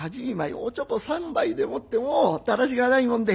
おちょこ３杯でもってもうだらしがないもんで。